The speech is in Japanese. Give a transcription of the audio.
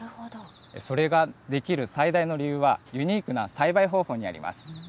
それができる最大の理由は、ユニークな栽培方法にあります。